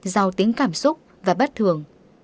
giao tính cảm xúc và bất thường